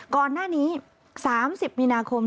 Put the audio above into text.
ก่อนหน้านี้๓๐มีนาคม